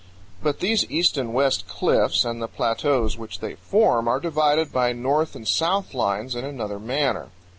But these east and west cliffs and the plateaus which they form are divided by north and south lines in another manner.